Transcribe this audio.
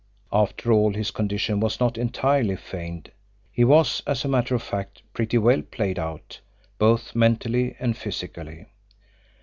After all, his condition was not entirely feigned. He was, as a matter of fact, pretty well played out, both mentally and physically.